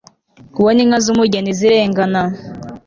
kubona inka z'umugeni zirengana